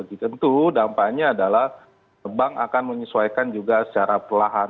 tentu dampaknya adalah bank akan menyesuaikan juga secara perlahan